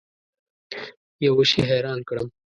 یوه شي حیران کړم.